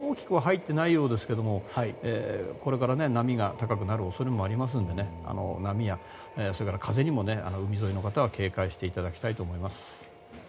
台風が南の海上を抜けて行ってまだうねり、そんな大きくは入ってないようですけれどもこれから波が高くなる恐れもありますので波やそれから風にも海沿いの方は警戒していただきたいと思います。